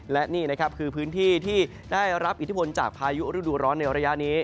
และนี่นะครับคือพื้นที่ที่ได้รับอิทธิพลจากพายุฤดูร้อนในระยะนี้